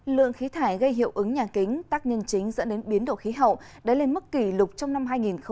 lượng khí thải gây hiệu ứng nhà kính tác nhân chính dẫn đến biến đổi khí hậu đã lên mức kỷ lục trong năm hai nghìn một mươi chín